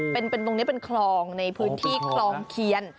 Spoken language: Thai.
เป็นตรงนี้เป็นคลองในพื้นที่คลองเคียน